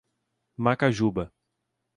Macajuba